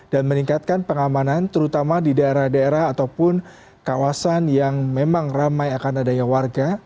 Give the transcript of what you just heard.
dan meningkatkan pengamanan terutama di daerah daerah ataupun kawasan yang memang ramai akan adanya warga